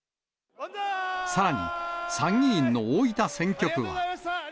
さらに、参議院の大分選挙区は。